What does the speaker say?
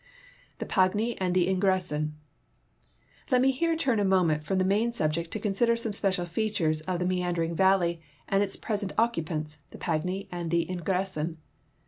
* The Pacpiy and the Ingressin. — I^et me here turn a moment from the main subject to consider some special features of the me andering valley and its })resent occui>ants, the Pagny and the Ingressin.